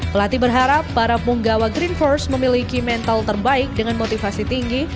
pelatih berharap para punggawa green force memiliki mental terbaik dengan motivasi tinggi